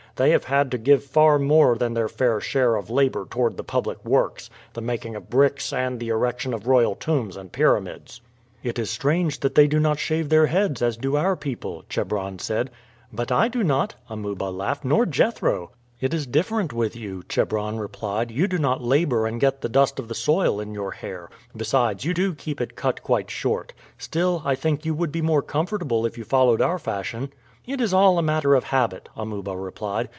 They have had to give far more than their fair share of labor toward the public works, the making of bricks, and the erection of royal tombs and pyramids." "It is strange that they do not shave their heads as do our people," Chebron said. "But I do not," Amuba laughed, "nor Jethro." "It is different with you," Chebron replied. "You do not labor and get the dust of the soil in your hair. Besides, you do keep it cut quite short. Still, I think you would be more comfortable if you followed our fashion." "It is all a matter of habit," Amuba replied.